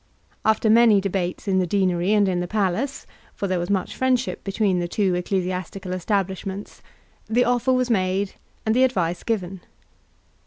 After many debates in the deanery and in the palace, for there was much friendship between the two ecclesiastical establishments, the offer was made and the advice given.